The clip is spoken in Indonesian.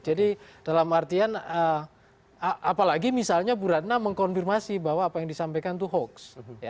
jadi dalam artian apalagi misalnya bu ratna mengkonfirmasi bahwa apa yang disampaikan itu hoaks